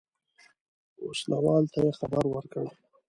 اوسلوال ته یې خبر ورکړ.